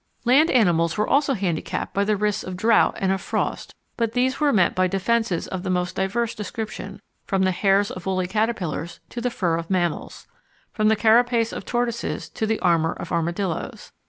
Land animals were also handicapped by the risks of drought and of frost, but these were met by defences of the most diverse description, from the hairs of woolly caterpillars to the fur of mammals, from the carapace of tortoises to the armour of armadillos.